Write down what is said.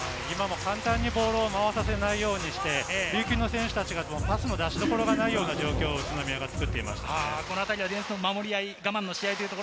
簡単にボールを回せないようにして琉球の選手たちがパスの出しどころがないような、宇都宮が作っていました。